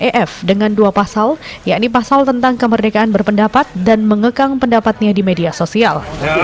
ef dengan dua pasal yakni pasal tentang kemerdekaan berpendapat dan mengekang pendapatnya di media sosial